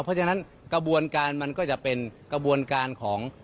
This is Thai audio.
เพราะฉะนั้นกระบวนการมันก็จะเป็นกระบวนการของ